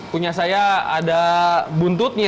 punya saya ada buntutnya